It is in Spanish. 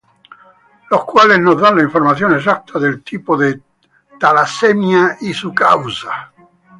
Los cuales nos dan la información exacta del tipo de talasemia y su causa.